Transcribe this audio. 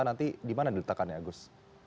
nanti dimana diletakkan ya agus